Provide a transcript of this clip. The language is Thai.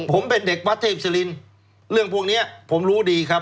ผมเป็นเด็กวัดเทพศิรินเรื่องพวกนี้ผมรู้ดีครับ